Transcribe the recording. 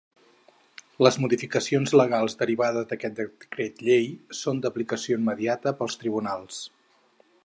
Les modificacions legals derivades d’aquest decret llei son d’aplicació immediata pels tribunals.